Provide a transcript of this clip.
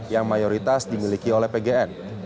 yang mayoritas dimiliki oleh pgn